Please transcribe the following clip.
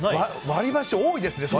割り箸、多いですね。